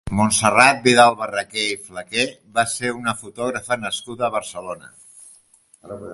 Montserrat Vidal-Barraquer i Flaquer va ser una fotògrafa nascuda a Barcelona.